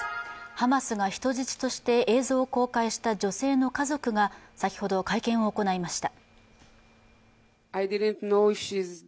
ハマスが人質として映像を公開した女性の家族が先ほど、会見を行いました。